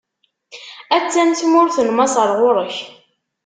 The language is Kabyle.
A-tt-an tmurt n Maṣer ɣur-k.